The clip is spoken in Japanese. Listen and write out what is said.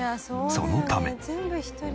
そのため。